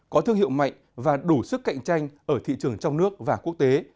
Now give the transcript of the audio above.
có thương hiệu mạnh và đủ sức cạnh tranh ở thị trường trong nước và quốc tế